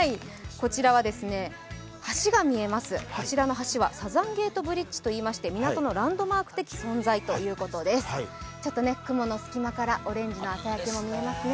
こちらの橋はサザンゲートブリッジといいまして、港のランドマーク的存在ということですね。